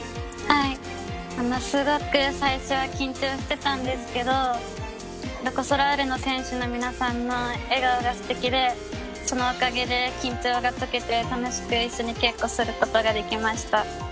すごく最初は緊張してたんですけどロコ・ソラーレの選手の皆さんの笑顔がすてきでそのおかげで緊張が解けて楽しく一緒に稽古をすることができました。